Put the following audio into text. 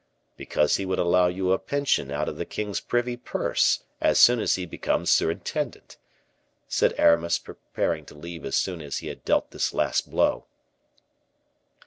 "Because he would allow you a pension out of the king's privy purse, as soon as he becomes surintendant," said Aramis, preparing to leave as soon as he had dealt this last blow.